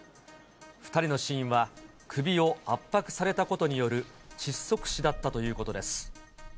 ２人の死因は首を圧迫されたことによる窒息死だったということです。